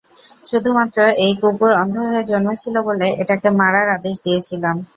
শুধুমাত্র এই কুকুর অন্ধ হয়ে জন্মেছিল বলে, এটাকে মারার আদেশ দিয়েছিলাম।